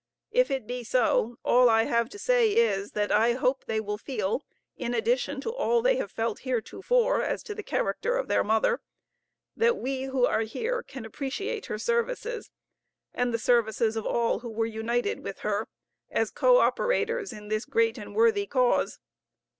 If it be so, all I have to say is, that I hope they will feel, in addition to all they have felt heretofore as to the character of their mother, that we who are here can appreciate her services, and the services of all who were united with her as co operators in this great and worthy cause.